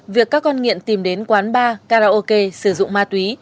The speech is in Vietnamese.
việc các con nghiện tìm đến quán bar karaoke sử dụng ma túy